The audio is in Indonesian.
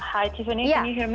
hai tiffany bisa dengar